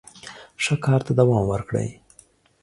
ښه کار ته دوام ورکړئ.